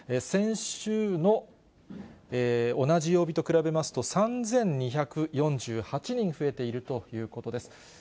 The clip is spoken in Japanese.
先週の同じ曜日と比べますと３４８１人増えているということです。